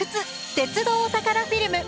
鉄道お宝フィルム」。